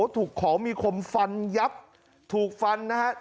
ถูกของมีคมฟันยับถูกฟันนะฮะ